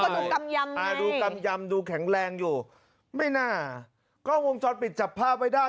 ดูกำยำอ่าดูกำยำดูแข็งแรงอยู่ไม่น่ากล้องวงจรปิดจับภาพไว้ได้